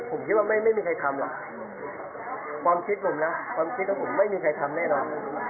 ผมคิดว่าไม่มีใครทำหรอกความคิดผมนะความคิดของผมไม่มีใครทำแน่นอน